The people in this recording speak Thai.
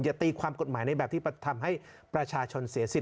ตีความกฎหมายในแบบที่ทำให้ประชาชนเสียสิทธ